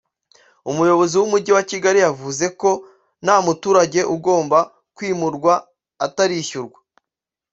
umuyobozi w’umujyi wa Kigali yavuze ko nta muturage ugomba kwimurwa atarishyurwa